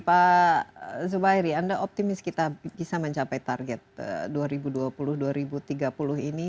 pak zubairi anda optimis kita bisa mencapai target dua ribu dua puluh dua ribu tiga puluh ini